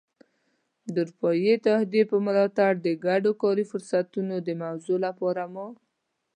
د اروپايي اتحادیې په ملاتړ د ګډو کاري فرصتونو د موضوع لپاره مو.